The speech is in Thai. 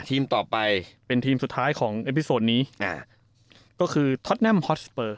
ทีมต่อไปเป็นทีมสุดท้ายของเอฟพิโซนนี้อ่าก็คือท็อตแนมฮอสสเปอร์